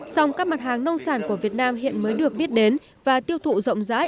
song các mặt hàng nông sản của việt nam hiện mới được biết đến và tiêu thụ rộng rãi